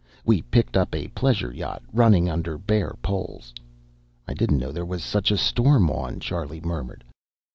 We picked up a pleasure yacht, running under bare poles. "I didn't know there was such a storm on," Charlie murmured.